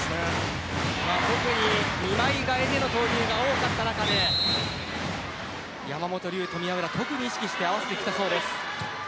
特に２枚代えでの投入が多かった中で山本龍と宮浦、特に意識して合わせてきたそうです。